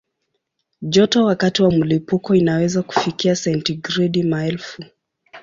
Joto wakati wa mlipuko inaweza kufikia sentigredi maelfu.